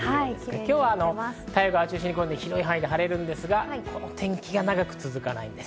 今日は太平洋側を中心に広い範囲で晴れるんですがこの天気、長くは続かないんです。